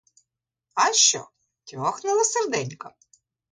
А що, тьохнуло серденько?